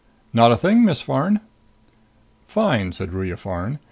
"Not a thing, Miss Farn." "Fine," said Ruya Farn.